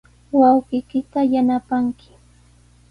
Wawqiykita yanapanki.